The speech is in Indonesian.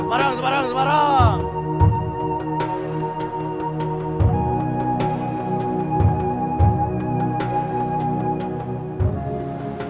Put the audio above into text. semarang semarang semarang